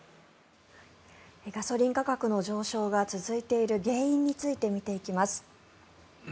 ガソリン価格の上昇が続いている原因について見ていきます。